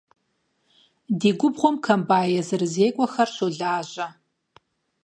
Ди губгъуэм комбайн езырызекӏуэхэр щолажьэ.